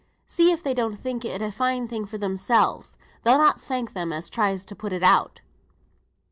See if they don't think it a fine thing for themselves. They'll not thank them as tries to put it out."